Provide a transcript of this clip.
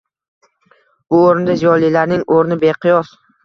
Bu o‘rinda ziyolilarning o‘rni beqiyos